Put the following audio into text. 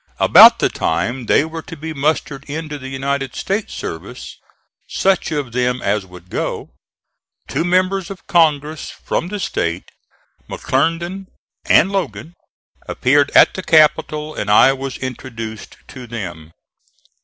About the time they were to be mustered into the United States service, such of them as would go, two members of Congress from the State, McClernand and Logan, appeared at the capital and I was introduced to them.